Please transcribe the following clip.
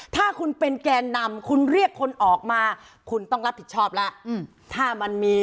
ถ้าคุณเป็นแกนนำคุณเรียกคนออกมาคุณต้องรับผิดชอบแล้วถ้ามันมี